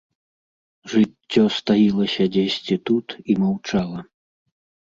Жыццё стаілася дзесьці тут і маўчала.